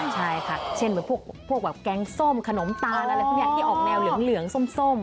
ใช่ค่ะเช่นพวกแบบแกงส้มขนมตาลอะไรพวกนี้ที่ออกแนวเหลืองส้ม